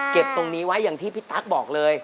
ตรงนี้ไว้อย่างที่พี่ตั๊กบอกเลย